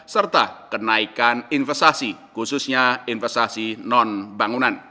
serta kenaikan investasi khususnya investasi non bangunan